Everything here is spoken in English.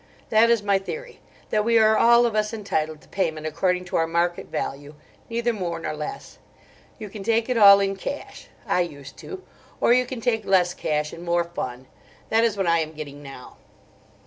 That is my theory, that we are all of us entitled to payment according to our market value, neither more nor less. You can take it all in cash. I used to. Or you can take less cash and more fun: that is what I am getting now."